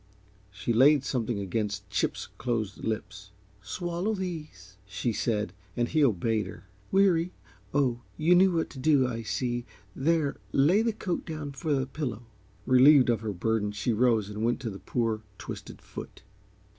She laid something against Chip's closed lips. "Swallow these," she said, and he obeyed her. "Weary oh, you knew what to do, I see. There, lay the coat down there for a pillow." Relieved of her burden, she rose and went to the poor, twisted foot.